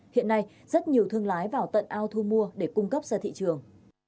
hiện nay rất nhiều thương lái vào tận ao thu mua để cung cấp ra thị trường